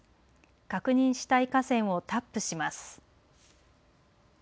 確認したい河川をタップします。